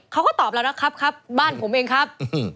เขาก็ตอบแล้วนะครับครับบ้านผมเองครับ